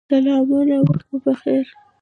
سلامونه وخت مو پخیر